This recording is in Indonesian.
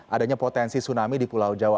adanya potensi tsunami di pulau jawa